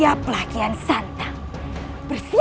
aku akan menangkapmu